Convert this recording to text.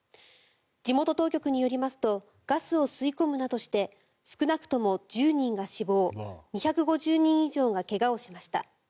地元当局によりますとガスを吸い込むなどして少なくとも１０人が死亡２５０人以上が怪我をしました。